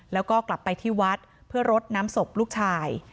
แล้วก็กลับไปที่วัดเพื่อรดน้ำศพลูกชาย